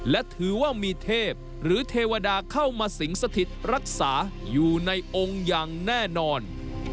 และถือว่ามีเทพหรือเทวดาเข้ามาสิงสถิตรักษาอยู่ในองค์อย่างแน่นอน